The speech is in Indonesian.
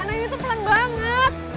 nah ini tuh pelan banget